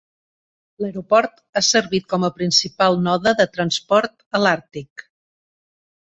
L'aeroport ha servit com a principal node de transport a l'Àrtic.